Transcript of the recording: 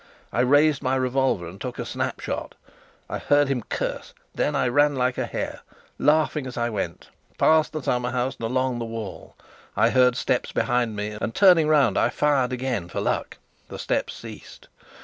I raised my revolver and took a snap shot; I heard him curse, and then I ran like a hare, laughing as I went, past the summer house and along by the wall. I heard steps behind me, and turning round I fired again for luck. The steps ceased.